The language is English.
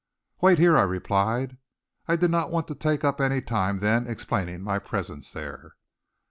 "Wait here," I replied. I did not want to take up any time then explaining my presence there.